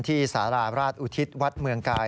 สาราราชอุทิศวัดเมืองกาย